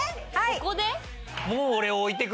ここで？